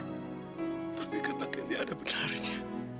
tapi kata gendy ada penarinya